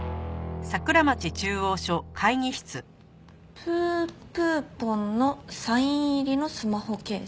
プープーポンのサイン入りのスマホケース？